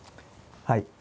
はい。